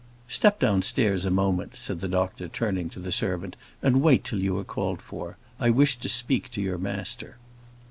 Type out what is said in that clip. "Step downstairs a moment," said the doctor, turning to the servant, "and wait till you are called for. I wish to speak to your master."